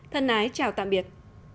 thân ái chào tạm biệt